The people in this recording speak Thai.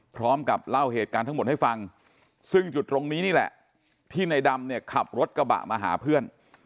พร้อมกับเล่าเหตุการณ์ทั้งหมดให้ฟังซึ่งจุดตรงนี้นี่แหละที่ในดำเนี่ยขับรถกระบะมาหาเพื่อน